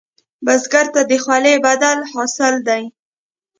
بزګر ته د خولې بدله حاصل دی